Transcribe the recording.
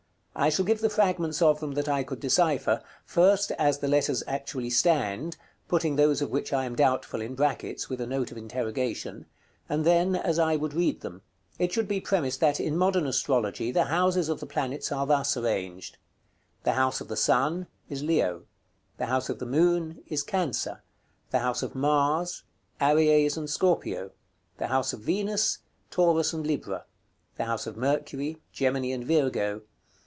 I shall give the fragments of them that I could decipher; first as the letters actually stand (putting those of which I am doubtful in brackets, with a note of interrogation), and then as I would read them. § CVII. It should be premised that, in modern astrology, the houses of the planets are thus arranged: The house of the Sun, is Leo. " Moon, " Cancer. " of Mars, " Aries and Scorpio. " Venus, " Taurus and Libra. " Mercury, " Gemini and Virgo.